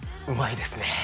うまいですね